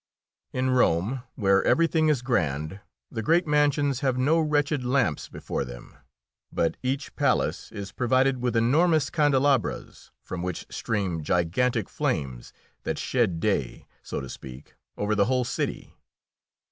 In Rome, where everything is grand, the great mansions have no wretched lamps before them, but each palace is provided with enormous candelabras, from which stream gigantic flames that shed day, so to speak, over the whole city.